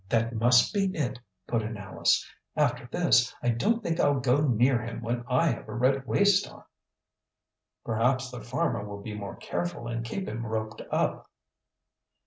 "That must be it," put in Alice. "After this, I don't think I'll go near him when I have a red waist on." "Perhaps the farmer will be more careful and keep him roped up."